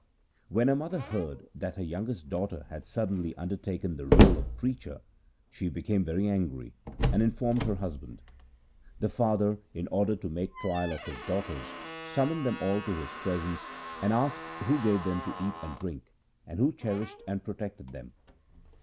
When her mother heard that her youngest daughter had suddenly undertaken the role of preacher, she became very angry, and informed her husband. The 266 THE SIKH RELIGION father, in order to make trial of his daughters, sum moned them all to his presence, and asked who gave them to eat and drink, and who cherished and pro tected them.